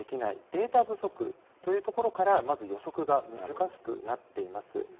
データ不足というところから予測が難しくなっています。